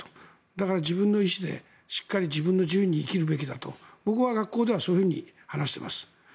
だから自分の意志でしっかり自由に生きるべきだと僕は学校でそう話しています。